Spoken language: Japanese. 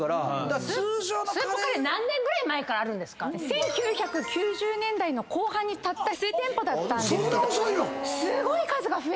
１９９０年代の後半にたった数店舗だったんですけどすごい数が増えたので。